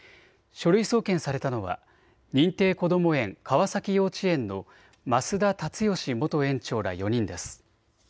書類送検されたのは認定こども園川崎幼稚園の増田立義元園長ら４人です。